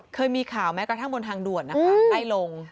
เคยมีข่าวแม้กระทั่งบนทางด่วนนะคะไล่ลง